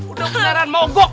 udah beneran mau gok